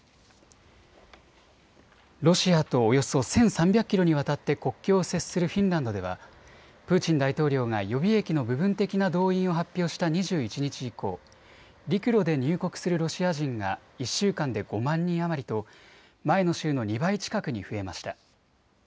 ロシアとおよそ１３００キロにわたって国境を接するフィンランドではプーチン大統領が予備役の部分的な動員を発表した２１日以降、陸路で入国するロシア人が１週間で５万人余りと前の週の２倍近くに増えました。